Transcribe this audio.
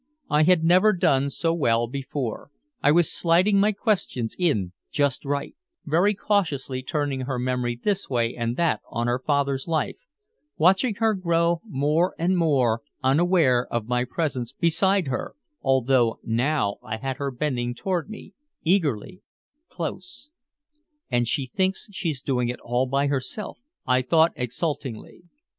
I had never done so well before, I was sliding my questions in just right, very cautiously turning her memory this way and that on her father's life, watching her grow more and more unaware of my presence beside her, although now I had her bending toward me, eagerly, close. "And she thinks she's doing it all by herself," I thought exultingly.